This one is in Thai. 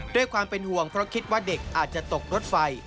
ด้วยความเป็นห่วงเพราะคิดว่าเด็กอาจจะตกรถไฟ